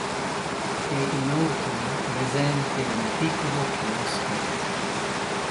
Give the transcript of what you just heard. È inoltre presente un piccolo chiosco.